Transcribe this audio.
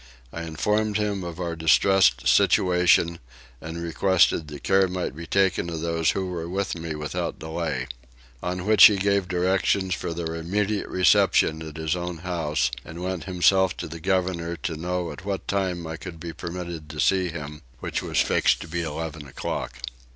I informed him of our distressed situation; and requested that care might be taken of those who were with me without delay. On which he gave directions for their immediate reception at his own house, and went himself to the governor to know at what time I could be permitted to see him, which was fixed to be at eleven o'clock.